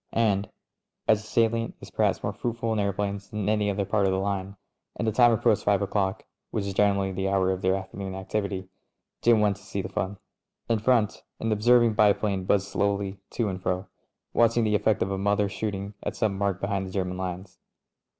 And as the salient is perhaps more fruitful in aeroplanes than any other part of the line, and the time approached five o'clock (which is generally the hour of their afternoon activ ity), Jim went to see the fun. In front, an observing biplane buzzed slowly to and fro, watching the effect of a mother ^ shooting at some mark behind the German lines.